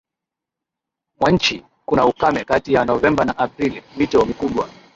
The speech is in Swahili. mwa nchi kuna ukame kati ya Novemba na Aprili Mito mikubwa